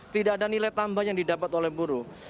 tidak ada nilai tambah yang didapat oleh buruh